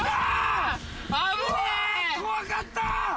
怖かった！